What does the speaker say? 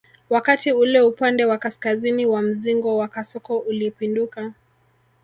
Wakati ule upande wa kaskazini wa mzingo wa kasoko ulipinduka